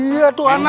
iya tuh anak